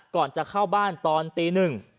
ก่อนจะเข้าบ้านตอนตีหนึ่ง